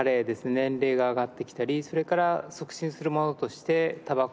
年齢が上がってきたりそれから促進するものとしてたばこ。